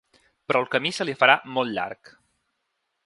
Però el camí se li farà molt llarg.